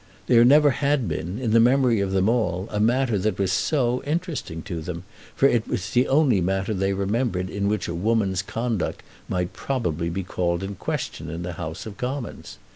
There never had been, in the memory of them all, a matter that was so interesting to them, for it was the only matter they remembered in which a woman's conduct might probably be called in question in the House of Commons.